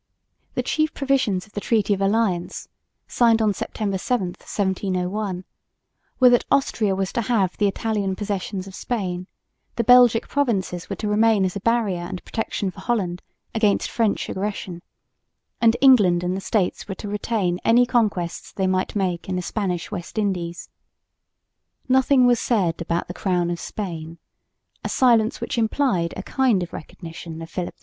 The chief provisions of the treaty of alliance, signed on September 7, 1701, were that Austria was to have the Italian possessions of Spain; the Belgic provinces were to remain as a barrier and protection for Holland against French aggression; and England and the States were to retain any conquests they might make in the Spanish West Indies. Nothing was said about the crown of Spain, a silence which implied a kind of recognition of Philip V.